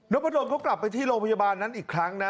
พะดนเขากลับไปที่โรงพยาบาลนั้นอีกครั้งนะ